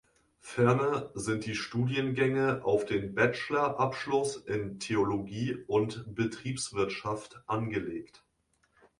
Ferner sind die Studiengänge auf den Bachelor Abschluss in Theologie und Betriebswirtschaft angelegt.